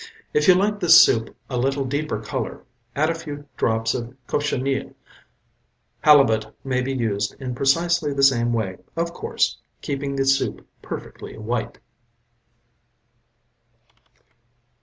If you like this soup a little deeper color, add a few drops of cochineal. Halibut may be used in precisely the same way, of course, keeping the soup perfectly white.